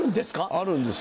あるんですよ。